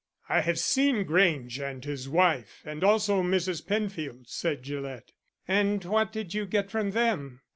"I have seen Grange and his wife, and also Mrs. Penfield," said Gillett. "And what did you get from them?"